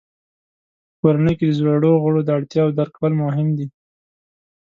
په کورنۍ کې د زړو غړو د اړتیاوو درک کول مهم دي.